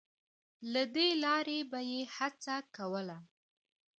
له دې لارې به یې هڅه کوله